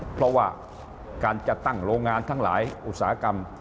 เพราะว่าการจะตั้งโรงงานทั้งหลายอุตสาหกรรม